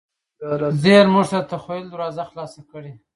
ذهن موږ ته د تخیل دروازه خلاصه کړې.